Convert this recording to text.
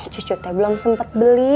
cucu teh belum sempat beli